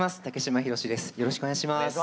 よろしくお願いします。